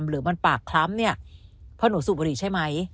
หรือมันปากคล้ำเนี่ยเพราะหนูสูบบุหรี่ใช่ไหม